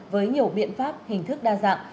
với nhiều biện pháp hình thức đa dạng